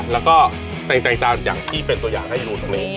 ล็อกเก็ตค่ะอ่าแล้วก็แต่งจานอย่างที่เป็นตัวอย่างให้อยู่ตรงนี้